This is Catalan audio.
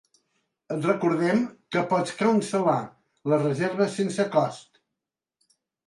Et recordem que pots cancel·lar la reserva sense cost.